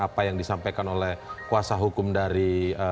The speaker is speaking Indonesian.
apa yang disampaikan oleh kuasa hukum dari